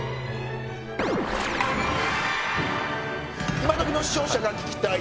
今どきの視聴者が聞きたい